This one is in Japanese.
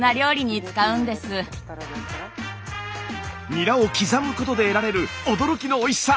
ニラを刻むことで得られる驚きのおいしさ！